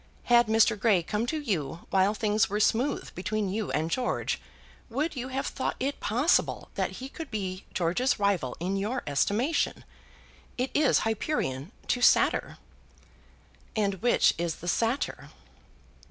Had Mr. Grey come to you while things were smooth between you and George, would you have thought it possible that he could be George's rival in your estimation? It is Hyperion to Satyr." "And which is the Satyr?"